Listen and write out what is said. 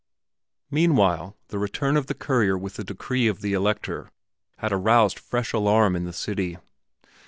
Meanwhile the return of the courier with the decree of the Elector had aroused fresh alarm in the city.